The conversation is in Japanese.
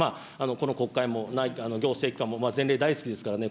この国会も、行政機関も前例、大好きですからね。